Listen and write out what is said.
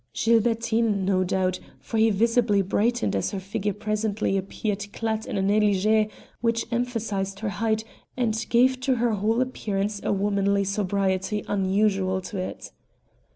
Gilbertine, no doubt, for he visibly brightened as her figure presently appeared clad in a negligée, which emphasized her height and gave to her whole appearance a womanly sobriety unusual to it.